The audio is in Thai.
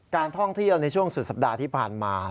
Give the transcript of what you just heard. การท่องเที่ยวในช่วงสุดสัปดาห์ที่ผ่านมา